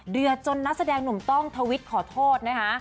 เดือดจนนักแสดงหนุ่มต้องทวิตขอโทษนะคะ